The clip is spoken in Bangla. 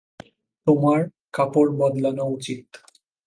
তোমার কাপড় বদলানো উচিত।